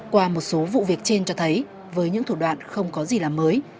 qua một số vụ việc trên cho thấy với những thủ đoạn không có gì làm mới